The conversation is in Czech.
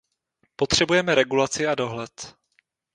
Potřebujeme regulaci a dohled.